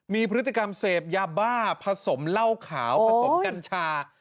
มีพฤติกรรมเสพยาบ้าผสมเหล้าขาวผสมกัญชา